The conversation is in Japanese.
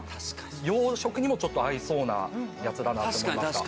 洋食にもちょっと合いそうなやつだなって思いました。